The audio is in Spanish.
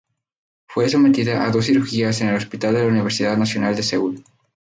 Fue sometida a dos cirugías en el Hospital de la Universidad Nacional de Seúl.